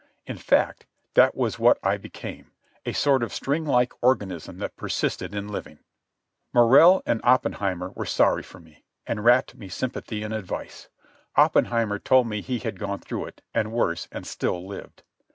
In fact, that was what I became—a sort of string like organism that persisted in living. Morrell and Oppenheimer were sorry for me, and rapped me sympathy and advice. Oppenheimer told me he had gone through it, and worse, and still lived.